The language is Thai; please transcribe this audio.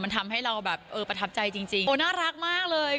มันทำให้เราแบบเออประทับใจจริงโอ้น่ารักมากเลย